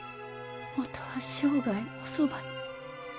もとは生涯おそばに。